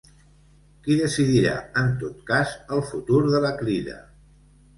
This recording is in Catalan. Qui decidirà en tot cas el futur de la Crida?